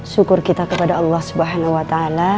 syukur kita kepada allah swt